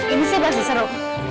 ini sih masih seru